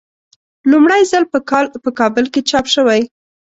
لومړی ځل په کال په کابل کې چاپ شوی.